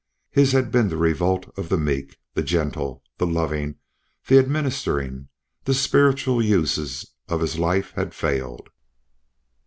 His had been the revolt of the meek. The gentle, the loving, the administering, the spiritual uses of his life had failed.